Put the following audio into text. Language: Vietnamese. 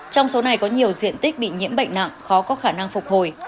trong số này có nhiều diện tích bị nhiễm bệnh nặng khó có khả năng phục hồi